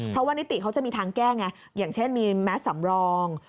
เพราะว่านิติเขาจะมีทางแก้ไงอย่างเช่นมีแมสสำรอง